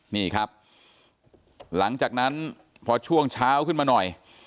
นี่ครับหลังจากนั้นพอช่วงเช้าขึ้นมาหน่อย